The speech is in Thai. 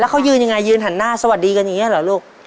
เขายืนยังไงยืนหันหน้าสวัสดีกันอย่างนี้เหรอลูก